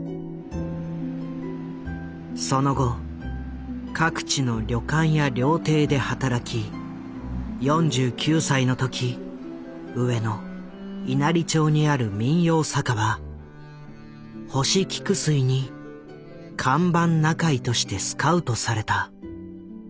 その後各地の旅館や料亭で働き４９歳の時上野・稲荷町にある民謡酒場星菊水に看板仲居としてスカウトされた。